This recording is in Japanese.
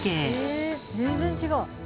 え全然違う。